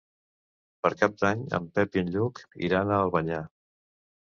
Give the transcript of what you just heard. Per Cap d'Any en Pep i en Lluc iran a Albanyà.